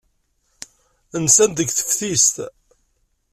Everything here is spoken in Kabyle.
Nsant deg teftist.